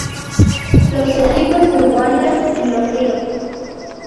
Los equipos de Guayas y Los Ríos.